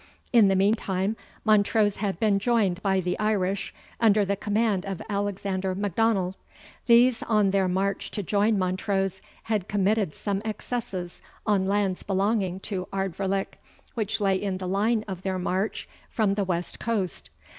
"In the meantime, Montrose had been joined by the Irish under the command of Alexander Macdonald; these, on their march to join Montrose, had committed some excesses on lands belonging to Ardvoirlich, which lay in the line of their march from the west coast.